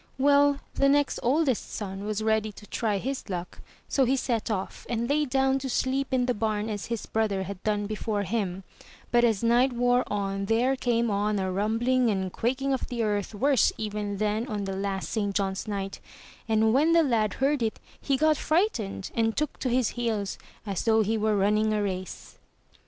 Well, the next oldest son was ready to try his luck, so he set off, and lay down to sleep in the bam as his brother had done before him; but as night wore on there came on a rumbling and quaking of the earth, worse even than on the last St. John's night, and when the lad heard it he got frightened, and took to his heels as though he were running a race.